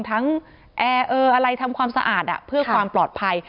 ทั้งทำความสะอาดเพื่อความปลอดภัย